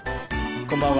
こんばんは。